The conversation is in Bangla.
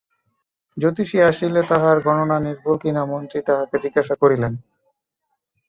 জ্যোতিষী আসিলে তাহার গণনা নির্ভুল কিনা মন্ত্রী তাহাকে জিজ্ঞাসা করিলেন।